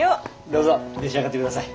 どうぞ召し上がって下さい。